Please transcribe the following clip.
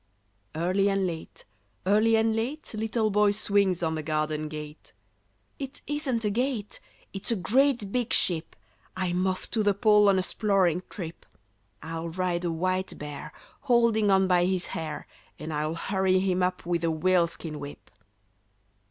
Early and late, early and late, Little Boy swings on the garden gate. "It isn't a gate; it's a great big ship! I'm off to the Pole on a 'sploring trip. I'll ride a white bear, holding on by his hair, And I'll hurry him up with a whaleskin whip."